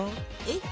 えっ？